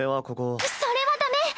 それはダメ！